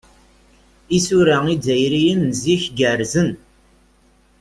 Isura izzayriyen n zik gerrzen.